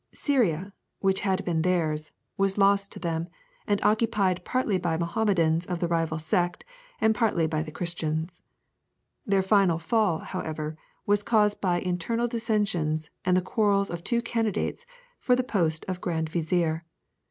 Syria, which had been theirs, was lost to them, and occupied partly by Mohammedans of the rival sect, and partly by the Christians. Their final fall, however, was caused by internal dissensions and the quarrels of two candidates for the post of Grand Vizier.